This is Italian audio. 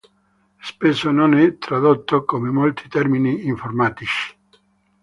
Spesso non è tradotto, come molti termini informatici.